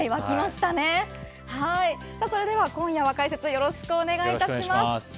それでは今夜は解説よろしくお願いします。